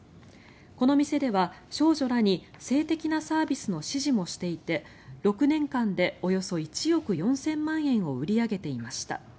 この店では少女らに性的なサービスの指示もしていて６年間でおよそ１億４０００万円を売り上げていました。